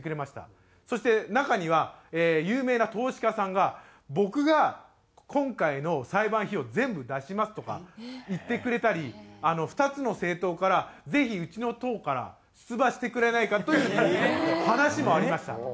そして中には有名な投資家さんが「僕が今回の裁判費用全部出します」とか言ってくれたり２つの政党から「ぜひうちの党から出馬してくれないか」という話もありました。